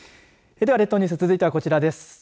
では、列島ニュース続いてはこちらです。